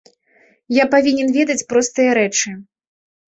Я павінен ведаць простыя рэчы.